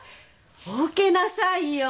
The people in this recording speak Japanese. お受けなさいよ。